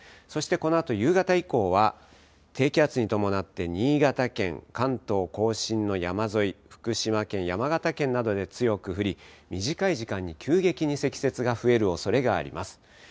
そして、このあと夕方以降は低気圧に伴って新潟県、関東甲信の山沿い、福島県、山形県などで強く降り短い時間に急激に積雪が増えるおそれがあります。